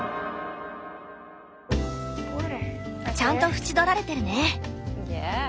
ちゃんと縁取られてるね。